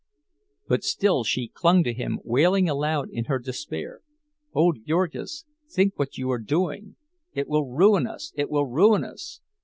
But still she clung to him, wailing aloud in her despair: "Oh, Jurgis, think what you are doing! It will ruin us—it will ruin us!